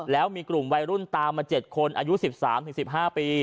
แล้วมีกลุ่มวัยรุ่นตามมา๗คนอายุ๑๓๑๕ปี